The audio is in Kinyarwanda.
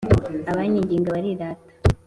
Abanyiginya barirata.